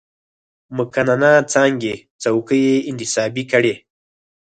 مقننه څانګې څوکۍ یې انتصابي کړې.